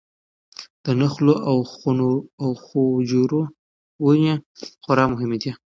د نخلو او خجورو ونې خورا مهمې دي.